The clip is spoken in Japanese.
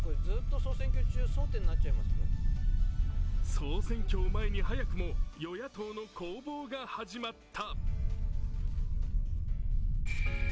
総選挙を前に早くも与野党の攻防が始まった。